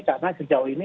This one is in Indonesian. karena sejauh ini